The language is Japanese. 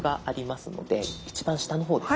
一番下の方です。